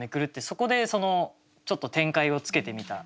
そこでちょっと展開をつけてみた。